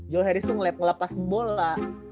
joe harris tuh ngelepas bola